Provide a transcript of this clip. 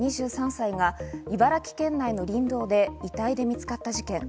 ２３歳が茨城県内の林道で遺体で見つかった事件。